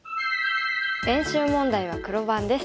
練習問題は黒番です。